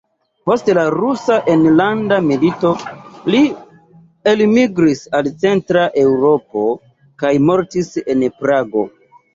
Post la Rusa Enlanda Milito li elmigris al Centra Eŭropo kaj mortis en Prago.